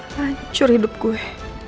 hancur hidup gue